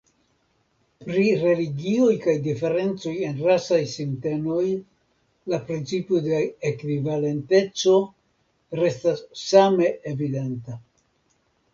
Pri religioj kaj diferencoj en rasaj sintenoj, la principo de ekvivalenteco restas same evidenta.